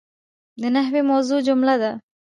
د نحوي موضوع جمله ده.